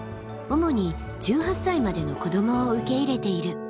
主に１８歳までの子どもを受け入れている。